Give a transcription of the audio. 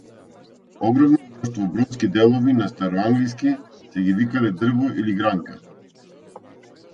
Огромно мноштво бродски делови на староанглиски си ги викале дрво или гранка.